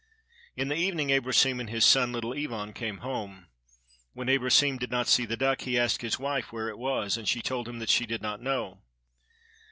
In the evening Abrosim and his son, Little Ivan, came home. When Abrosim did not see the duck, he asked his wife where it was, and she told him that she did not know.